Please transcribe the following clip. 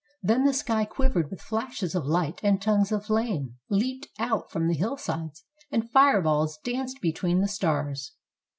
Then the sky quivered with flashes of light, and tongues of flame leaped out from the hillsides, and fire balls danced be tween the stars.